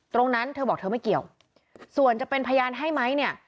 ตรงนั้นเธอบอกเธอไม่เกี่ยวส่วนจะเป็นพยานให้ไหมเนี่ย